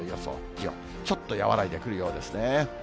気温、ちょっと和らいでくるようですね。